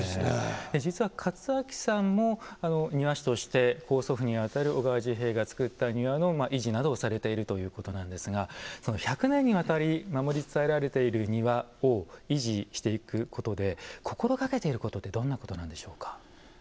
実は勝章さんも庭師として高祖父に当たる小川治兵衛の造った庭の維持などをされているということなんですが１００年にわたり守り伝えられている庭を維持していくことで心がけていることってどんなことなんでしょうか。